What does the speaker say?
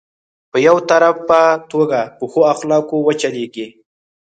په يو طرفه توګه په ښو اخلاقو وچلېږي.